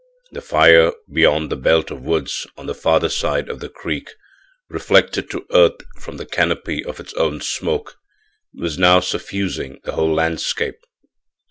The fire beyond the belt of woods on the farther side of the creek, reflected to earth from the canopy of its own smoke, was now suffusing the whole landscape.